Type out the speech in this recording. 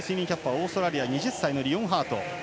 オーストラリアの２０歳のリオンハート。